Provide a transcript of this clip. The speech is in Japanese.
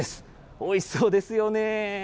おいしそうですよね。